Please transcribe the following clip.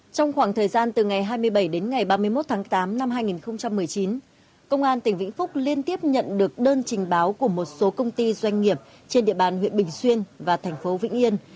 trong khoảng thời gian từ ngày hai mươi bảy đến ngày ba mươi một tháng tám năm hai nghìn một mươi chín công an tỉnh vĩnh phúc liên tiếp nhận được đơn trình báo của một số công ty doanh nghiệp trên địa bàn huyện bình xuyên và thành phố vĩnh yên